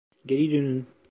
Geri dönün!